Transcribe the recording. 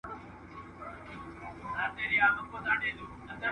او منلي هوښیارانو د دنیا دي `